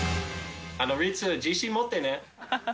リツ、自信持ってね。